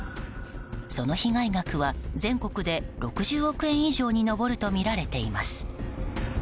その被害額は全国で６０億円以上に上るとみられています。